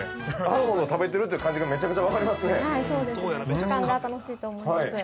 アーモンド食べてるって感じがめちゃくちゃ分かりますね。